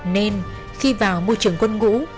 nên khi vào môi trường quân ngũ